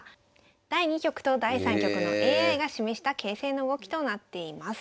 第２局と第３局のＡＩが示した形勢の動きとなっています。